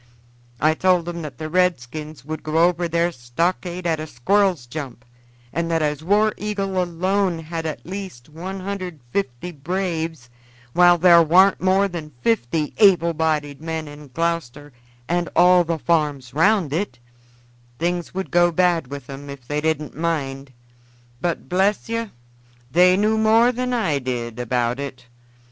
I told 'em that the redskins would go over their stockade at a squirrel's jump, and that as War Eagle alone had at least 150 braves, while there warn't more than 50 able bodied men in Gloucester and all the farms around it, things would go bad with 'em if they didn't mind. But bless yer, they knew more than I did about it.